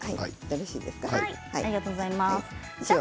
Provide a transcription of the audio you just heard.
よろしいですか。